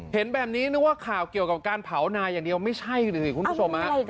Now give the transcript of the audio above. เห็นแบบนี้นึกว่าข่าวเกี่ยวกับการเผานาอย่างเดียวไม่ใช่สิคุณผู้ชม